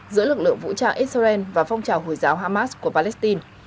giữa lực lượng vũ trang israel và phong trào hồi giáo hamas của palestine